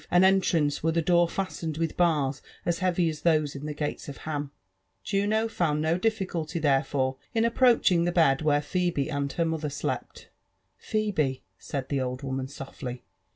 an enttanel^ were the door fastened with bars as heavy as those on the gates of Haqi* Juno found bo dilBculty therefore in approtdiing the bM where Phebe and her motlier slept* ^'Pheber said the old woman softly.